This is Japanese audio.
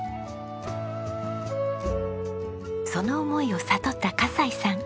その思いを悟った笠井さん。